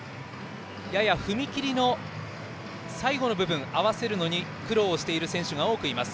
やや踏み切りの最後の部分を合わせるのに苦労している選手が多くいます。